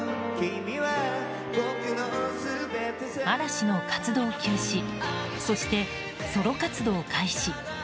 嵐の活動休止そして、ソロ活動開始。